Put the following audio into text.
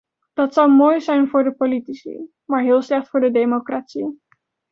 Dat zou mooi zijn voor de politici, maar heel slecht voor de democratie.